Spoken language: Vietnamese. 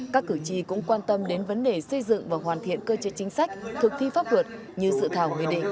các cử tri cũng quan tâm đến vấn đề xây dựng và hoàn thiện cơ chế chính sách thực thi pháp luật như dự thảo nghị định